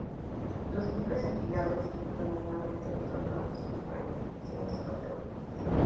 Los clubes afiliados disputan anualmente los torneos en sus diferentes divisiones o categorías.